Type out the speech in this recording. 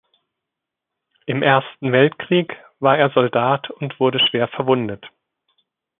Im Ersten Weltkrieg war er Soldat und wurde schwer verwundet.